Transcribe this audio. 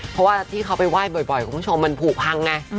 เพราะว่าที่เขาไปไหว้บ่อยคุณผู้ชมมันผูกพังไง